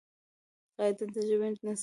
قاعده د ژبي نظم ساتي.